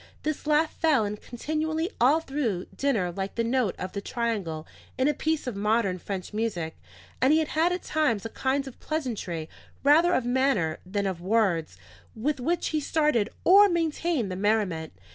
This laugh fell in continually all through dinner like the note of the triangle in a piece of modern French music; and he had at times a kind of pleasantry, rather of manner than of words, with which he started or maintained the merriment.